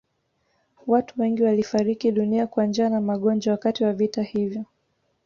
Watu wengi walifariki dunia kwa njaa na magonjwa wakati wa vita hivyo